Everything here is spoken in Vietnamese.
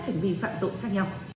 các hành vi phạm tội khác nhau